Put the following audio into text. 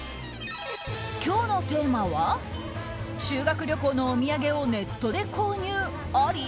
今日のテーマは修学旅行のお土産をネットで購入あり？